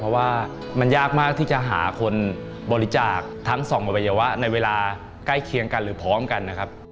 เพราะว่ามันยากมากที่จะหาคนบริจาคทั้งสองวัยวะในเวลาใกล้เคียงกันหรือพร้อมกันนะครับ